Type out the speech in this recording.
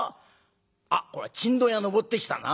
あっこれはチンドン屋登ってきたな？